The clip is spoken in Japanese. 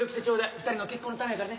二人の結婚のためやからね。